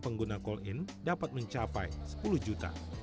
pengguna call in dapat mencapai sepuluh juta